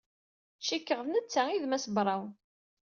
Cikkeɣ d netta ay d Mass Brown.